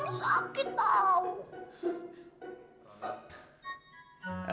mami jangan terbang sakit tau